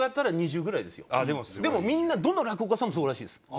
でもみんなどの落語家さんもそうらしいです。